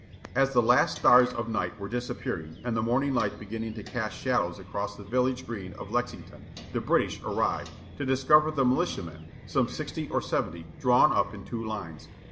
As the last stars of night were disappearing, and the morning light beginning to cast shadows across the village green of Lexington, the British arrived, to discover the militiamen, some sixty or seventy, drawn up in two lines.